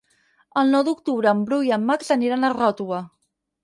El nou d'octubre en Bru i en Max aniran a Ròtova.